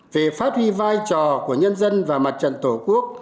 về phát huy vai trò của nhân dân và mặt trận tổ quốc